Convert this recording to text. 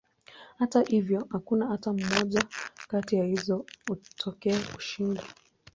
Hata hivyo, hakuna hata moja katika hizo kutokea kushinda.